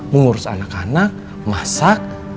mengurus anak anak masak